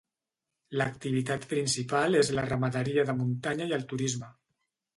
L'activitat principal és la ramaderia de muntanya i el turisme.